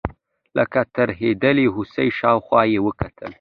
لکه ترهېدلې هوسۍ شاوخوا یې وکتل.